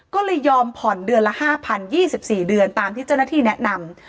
ก็เลยยอมผ่อนเดือนละ๕๐๒๔เดือนตามที่เจ้าหน้าที่แนะนำ